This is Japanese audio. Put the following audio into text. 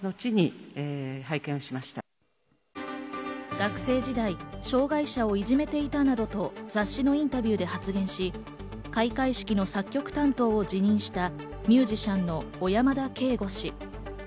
学生時代、障害者をいじめていたなどと雑誌のインタビューで発言し、開会式の作曲担当を辞任したミュージシャンの小山田圭吾氏。